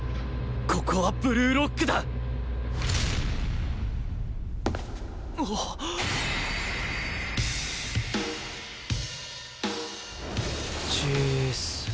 ここはブルーロックだ！ちーっす。